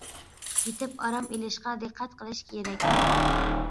يېتىپ ئارام ئېلىشقا دىققەت قىلىش كېرەك.